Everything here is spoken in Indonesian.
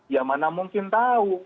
ya mana mungkin tahu